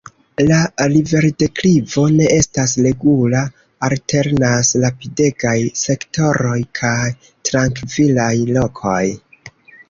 La riverdeklivo ne estas regula – alternas rapidegaj sektoroj kaj trankvilaj lokoj.